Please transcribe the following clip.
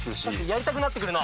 やりたくなって来るな。